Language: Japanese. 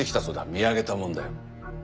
見上げたもんだよ。